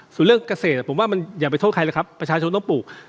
ส่วนเรื่องเกษตรผมว่ามันอย่าไปโทษใครเลยครับประชาชนต้องปลูก